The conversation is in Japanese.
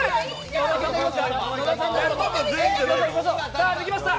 さあ抜きました。